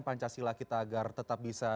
pancasila kita agar tetap bisa